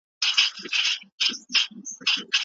عزت په صبر او زغم کي موندل کېږي.